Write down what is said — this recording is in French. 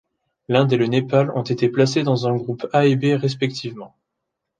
L'Inde et le Népal ont été placés dans un groupe A et B respectivement.